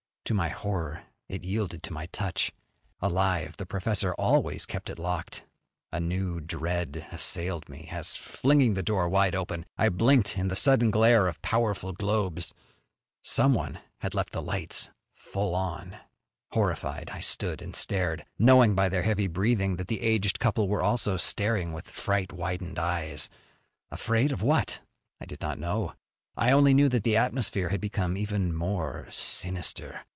To my horror it yielded to my touch. Alive, the professor always kept it locked. A new dread assailed me, as, flinging the door wide open, I blinked in the sudden glare of powerful globes. Someone had left the lights full on! Horrified I stood and stared, knowing by their heavy breathing that the aged couple were also staring with fright widened eyes. Afraid of what? I did not know. I only knew that the atmosphere had become even more sinister.